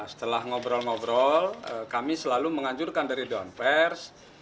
setelah ngobrol ngobrol kami selalu menganjurkan dari dewan pers